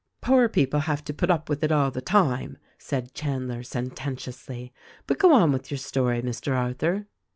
"Poor people have to put up with it all the time," said Chandler sententiously ; "but go on with your story, Mr. Arthur."